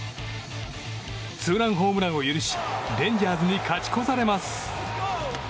ツーランホームランを許しレンジャーズに勝ち越されます。